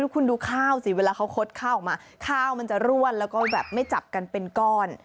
คุณดูข้าวสิเวลาเขาคดข้าวออกมาข้าวมันจะร่วนแล้วก็แบบไม่จับกันเป็นก้อน